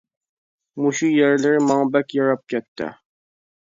مۇشۇ يەرلىرى ماڭا بەك ياراپ كەتتى.